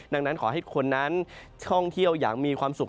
ดังนั้นขอให้คนนั้นท่องเที่ยวอย่างมีความสุข